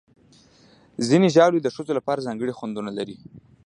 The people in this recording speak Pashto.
ځینې ژاولې د ښځو لپاره ځانګړي خوندونه لري.